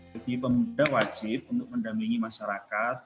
jadi pemuda wajib untuk mendamengi masyarakat